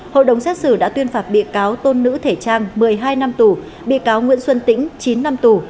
hội đồng xét xử đã tuyên phạt bị cáo tôn nữ thể trang một mươi hai năm tù bị cáo nguyễn xuân tĩnh chín năm tù